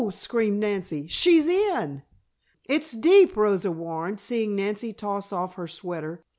screamed Nancy. "She's in!" "It's deep," Rosa warned, seeing Nancy toss off her sweater.